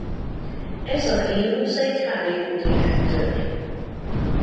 Ez a hiúz egy hollywoodi rendőr.